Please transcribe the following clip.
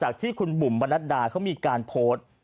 จากที่คุณบุ่มมานัดดาก็มีการโพสต์